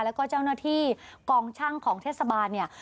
แล้วก็เจ้าหน้าที่กองช่างของเทศบาลเนี่ย